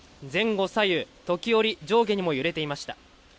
前後左右、時折、上下にも揺れていました。